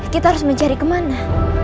kita harus mencari kemana